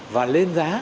và lên giá